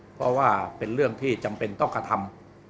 เพราะว่าเป็นเรื่องที่จำเป็นต้องกระทำ